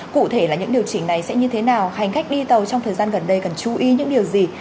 cụ thể là những điều chỉnh này sẽ như thế nào hành khách đi tàu trong thời gian gần đây cần chú ý những điều gì